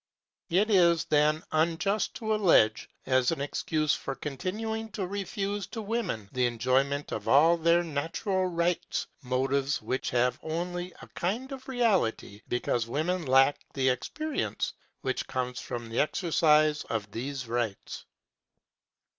It is, then, unjust to allege as an excuse for continuing to refuse to women the enjoyment of all their natural rights motives which have only a kind of reality because women lack the experience which comes from the exercise of these rights.